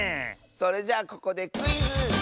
それじゃここでクイズ！